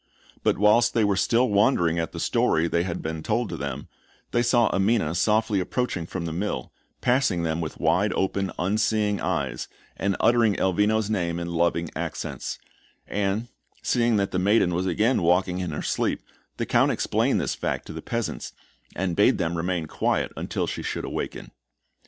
But whilst they were still wondering at the story that had been told to them, they saw Amina softly approaching from the mill, passing them with wide open, unseeing eyes, and uttering Elvino's name in loving accents; and, seeing that the maiden was again walking in her sleep, the Count explained this fact to the peasants, and bade them remain quiet until she should awaken.